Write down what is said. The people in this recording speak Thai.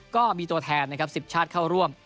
ก็มีตัวแทนนะครับ๑๐ชาติเข้าร่วม